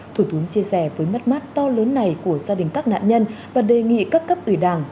thủ tướng chia sẻ với mất mát to lớn này của gia đình các nạn nhân và đề nghị các cấp ủy đảng